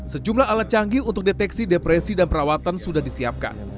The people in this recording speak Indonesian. sejumlah alat canggih untuk deteksi depresi dan perawatan sudah disiapkan